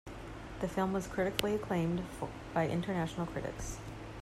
The film was critically acclaimed by international critics.